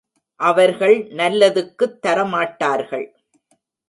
அவர்கள் நல்லதுக்குத் தரமாட்டார்கள்.